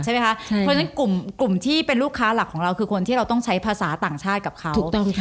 เพราะฉะนั้นกลุ่มที่เป็นลูกค้าหลักของเราคือคนที่เราต้องใช้ภาษาต่างชาติกับเขาถูกต้องค่ะ